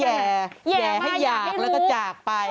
แยะแยะให้อยากแล้วก็จากไป